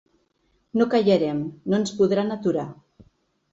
No callarem, no ens podran aturar.